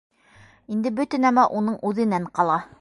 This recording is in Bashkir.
Инде бөтә нәмә уның үҙенән ҡала.